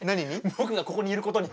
僕がここにいることに。